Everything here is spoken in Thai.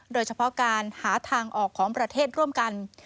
โดยเฉพาะการหาทางออกของประเทศร่วมกัน